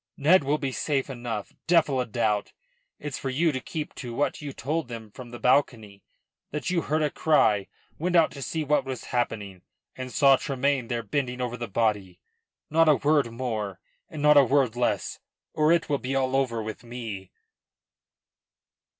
"Ned will be safe enough, devil a doubt. It's for you to keep to what you told them from the balcony; that you heard a cry, went out to see what was happening and saw Tremayne there bending over the body. Not a word more, and not a word less, or it will be all over with me."